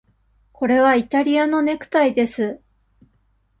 これはイタリアのネクタイです。